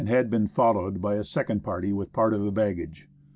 had been followed, by. a second party with part of the baggage.